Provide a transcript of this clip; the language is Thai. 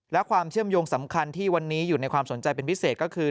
และความเชื่อมโยงสำคัญที่วันนี้อยู่ในความสนใจเป็นพิเศษก็คือ